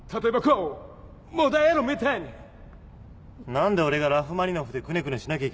何で俺がラフマニノフでクネクネしなきゃいけないんですか？